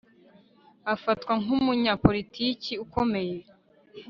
Afatwa nkumunyapolitiki ukomeye